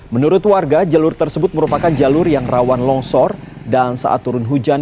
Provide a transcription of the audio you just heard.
menurut warga jalur tersebut merupakan jalur yang rawan longsor dan saat turun hujan